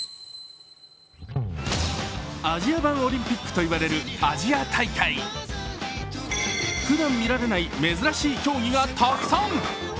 アジア版オリンピックといわれるアジア大会。ふだん見られない珍しい競技がたくさん。